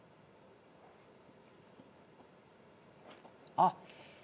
あっ！